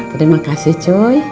terima kasih cuy